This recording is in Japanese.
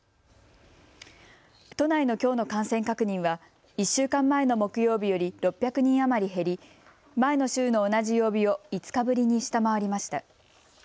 都内のきょうの感染確認は１週間前の木曜日より６００人余り減り、前の週の同じ曜日を５日ぶりに下回りました。